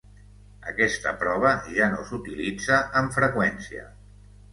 Aquesta prova ja no s'utilitza amb freqüència.